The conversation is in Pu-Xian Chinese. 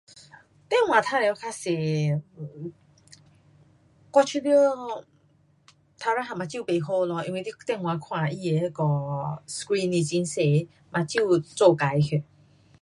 电话玩耍较多，我觉得，第一样眼睛不好咯，因为你电话看它的那个 screen 不很小，眼睛做坏去，